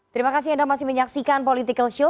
terima kasih anda masih menyaksikan political show